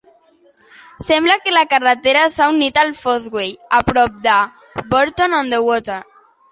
Sembla que la carretera s'ha unit al Fosse Way, a prop de Bourton-on-the-Water.